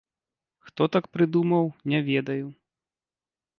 Хто так прыдумаў, не ведаю.